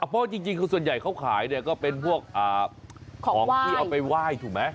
เพราะจริงคือส่วนใหญ่เขาขายเนี่ยก็เป็นพวกของที่เอาไปไหว้ถูกไหม